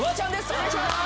お願いします